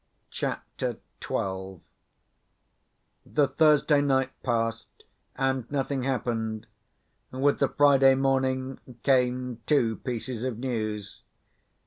CHAPTER XII The Thursday night passed, and nothing happened. With the Friday morning came two pieces of news.